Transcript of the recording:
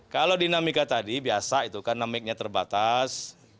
kalau dinamika tadi biasa itu kan namiknya terbatas